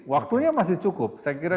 waktunya masih cukup saya kira